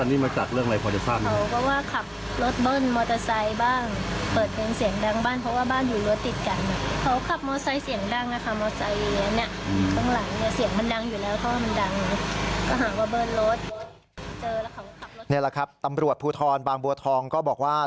นี่แหละครับตำรวจภูทรบางบัวทองก็บอกว่า